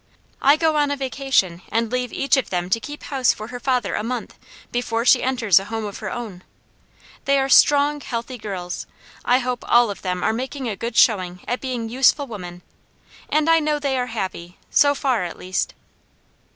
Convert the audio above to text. I go on a vacation and leave each of them to keep house for her father a month, before she enters a home of her own. They are strong, healthy girls; I hope all of them are making a good showing at being useful women, and I know they are happy, so far at least."